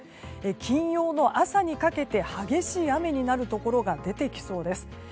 金曜の朝にかけて、激しい雨になるところが出てきそうです。